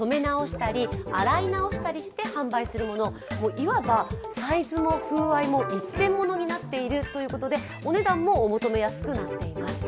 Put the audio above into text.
いわばサイズも風合いも一点ものになっているということでお値段もお求めやすくなっています。